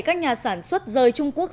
các nhà sản xuất rời trung quốc